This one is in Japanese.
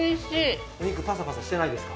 お肉パサパサしてないですか？